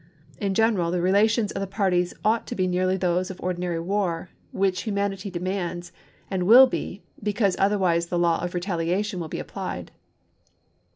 .. In general, the relations of the parties ought to be nearly those of ordinary war, which humanity demands, and will be, because otherwise the law of retaliation will be applied."